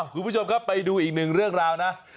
คุณผู้ชมครับไปดูอีกหนึ่งเรื่องราวนะ